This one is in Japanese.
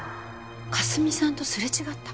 佳澄さんとすれ違った？